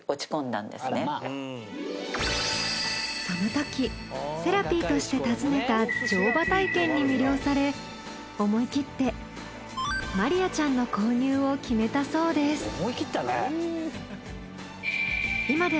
そのときセラピーとして訪ねた乗馬体験に魅了され思い切ってマリヤちゃんの購入を決めたそうです。